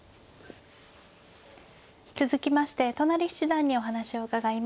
続きまして都成七段にお話を伺います。